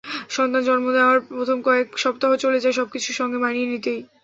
সন্তান জন্ম নেওয়ার প্রথম কয়েক সপ্তাহ চলে যায় সবকিছুর সঙ্গে মানিয়ে নিতেই।